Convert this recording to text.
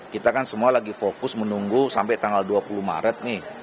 kita kan semua lagi fokus menunggu sampai tanggal dua puluh maret nih